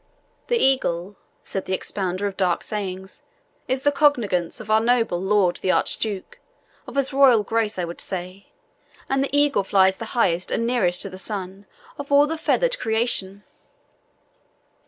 "The eagle," said the expounder of dark sayings, "is the cognizance of our noble lord the Archduke of his royal Grace, I would say and the eagle flies the highest and nearest to the sun of all the feathered creation."